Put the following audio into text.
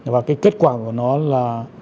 và kết quả của nó là